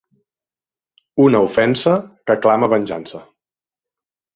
Una ofensa que clama venjança.